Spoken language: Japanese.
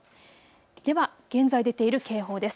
では、現在出ている警報です。